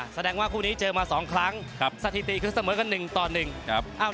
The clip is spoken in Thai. แสดงว่าคู่นี้เจอมา๒ครั้งสถิติคือเหมือนกัน๑ต่อ๑